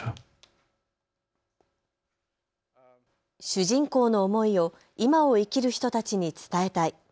主人公の思いを今を生きる人たちに伝えたい。